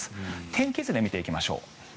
天気図で見ていきましょう。